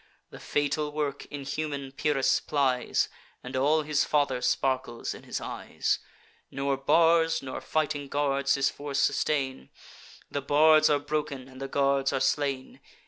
The fatal work inhuman Pyrrhus plies, And all his father sparkles in his eyes; Nor bars, nor fighting guards, his force sustain: The bars are broken, and the guards are slain.